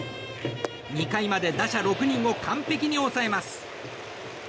２回まで打者６人を完璧に抑えます。